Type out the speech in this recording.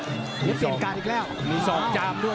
นี่เปลี่ยนการอีกแล้วมีศอกจามด้วย